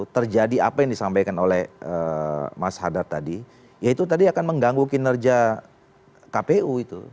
terjadi apa yang disampaikan oleh mas hadad tadi ya itu tadi akan mengganggu kinerja kpu itu